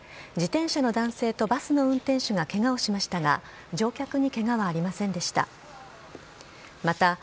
自転車の男性とバスの運転手がケガをしましたが乗客にケガはありませんでした。